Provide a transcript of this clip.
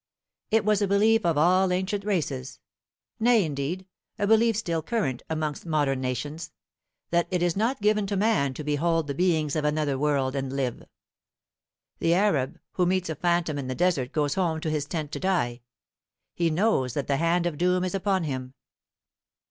It was a belief of all ancient races, nay indeed, a belief still current amongst modern nations, that it is not given to man to behold the beings of another world and live. The Arab who meets a phantom in the desert goes home to his tent to die. He knows that the hand of doom is upon him.